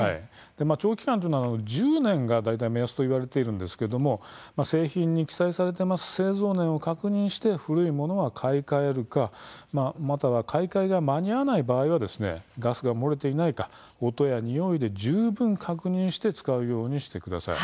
長期間大体１０年が目安といわれているんですけれども、製品に記載されている製造年月を確認して古いものは買い替えるか買い替えが間に合わない場合はガスが漏れていないか音やにおいで十分確認して使うようにしてください。